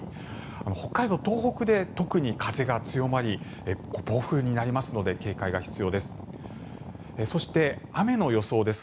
北海道、東北で特に風が強まり暴風になりますので警戒が必要です。